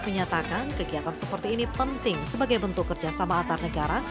menyatakan kegiatan seperti ini penting sebagai bentuk kerjasama antar negara